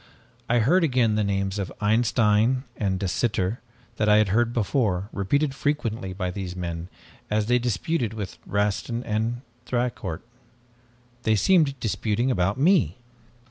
I heard again the names of Einstein and De Sitter that I had heard before, repeated frequently by these men as they disputed with Rastin and Thicourt. They seemed disputing about me.